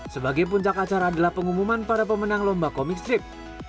sebagai puncak acara adalah pengumuman para pemenang lomba komik strip